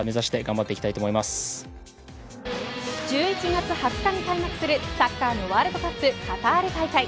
１１月２０日に開幕するサッカーのワールドカップカタール大会。